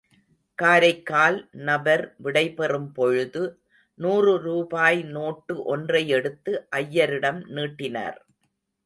காரைக்கால் நபர் விடைபெறும் பொழுது, நூறு ரூபாய் நோட்டு ஒன்றை எடுத்து ஐயரிடம் நீட்டினார்.